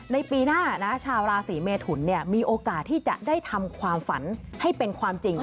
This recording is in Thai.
ในปีหน้านะชาวราศีเมทุนมีโอกาสที่จะได้ทำความฝันให้เป็นความจริง